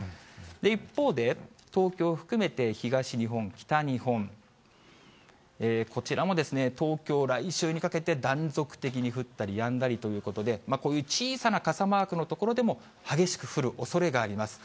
一方で、東京含めて東日本、北日本、こちらも東京、来週にかけて、断続的に降ったりやんだりということで、こういう小さな傘マークの所でも、激しく降るおそれがあります。